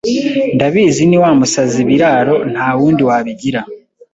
Ndabizi ni wa musazi Biraro nta wundi wabigira